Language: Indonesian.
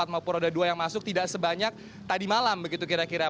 maupun roda dua yang masuk tidak sebanyak tadi malam begitu kira kira